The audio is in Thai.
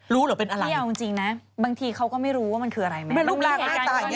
รู้หรือเป็นอะไรคิดออกจริงน่ะบางทีเขาก็ไม่รู้ว่ามันคืออะไรแม่